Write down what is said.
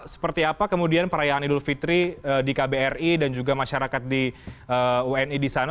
seperti apa kemudian perayaan idul fitri di kbri dan juga masyarakat di wni di sana